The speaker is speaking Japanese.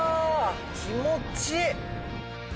気持ちいい！